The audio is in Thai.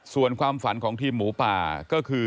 ส่วนความฝันของทีมหมูป่าก็คือ